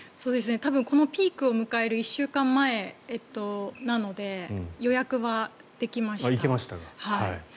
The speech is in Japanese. このピークを迎える１週間前なので予約はできました。